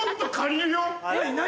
何？